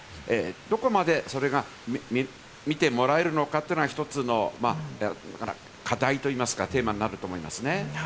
どこまでそれが見てもらえるのかというのが一つの課題といいますか、テーマになると思いますね。